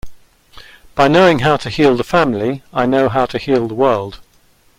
By knowing how to heal the family, I know how to heal the world.